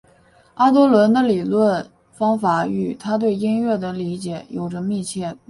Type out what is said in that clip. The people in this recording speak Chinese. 阿多诺的理论方法与他对音乐的理解有着密切联系。